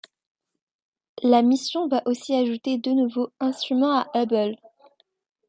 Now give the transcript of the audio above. La mission va aussi ajouter deux nouveaux instruments à Hubble.